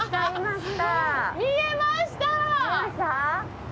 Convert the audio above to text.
見えました！